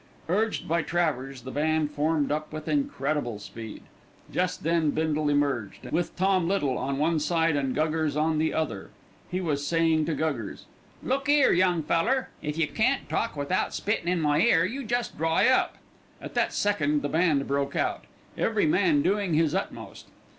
Urged by Travers the band formed up with incredible speed. Just then Bindle emerged, with Tom Little on one side and Guggers on the other. He was saying to Guggers: "Look 'ere, young feller, if you can't talk without spittin' in my ear, you just dry up." At that second the band broke out, every man doing his utmost.